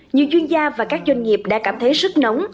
nhiều chuyên gia và các doanh nghiệp đã cảm thấy sức nóng